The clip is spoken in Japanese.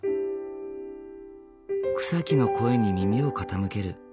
草木の声に耳を傾ける。